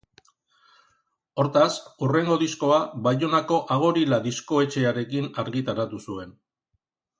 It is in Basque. Hortaz, hurrengo diskoa Baionako Agorila diskoetxearekin argitaratu zuen.